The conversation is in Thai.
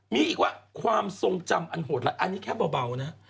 มีอีกว่าความทรงจำอันหดอันนี้แค่เบานะครับ